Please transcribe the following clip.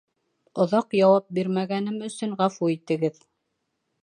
Оҙаҡ яуап бирмәгәнем өсөн ғәфү итегеҙ.